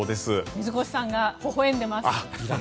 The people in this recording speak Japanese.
水越さんがほほ笑んでます。